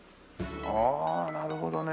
ああなるほどね。